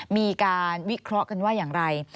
มีการวิเคราะห์กันว่าอย่างไร